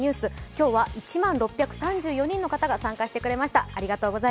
今日は１万６３４人の人が参加してくれました。